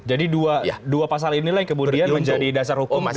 jadi dua pasal ini kemudian menjadi dasar hukum